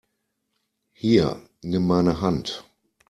Hier, nimm meine Hand!